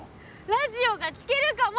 ラジオが聞けるかも！